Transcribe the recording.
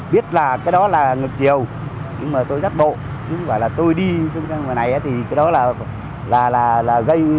biết là cái đó là ngược chiều nhưng mà tôi giác bộ nhưng mà là tôi đi trong trang hồ này thì cái đó là gây coi như tai nạn